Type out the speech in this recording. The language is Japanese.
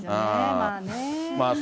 まあね。